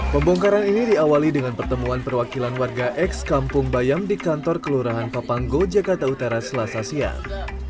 pembongkaran ini diawali dengan pertemuan perwakilan warga ex kampung bayam di kantor kelurahan papanggo jakarta utara selasa siang